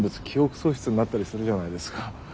記憶喪失になったりするじゃないですか。